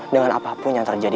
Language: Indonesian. dengan apapun yang terjadi